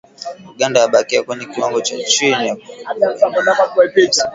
"Uganda yabakia kwenye kiwango cha chini kipato'', Benki ya Dunia yasema